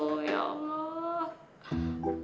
oh ya allah